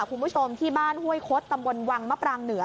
คุณผู้ชมที่บ้านห้วยคดตำบลวังมะปรางเหนือ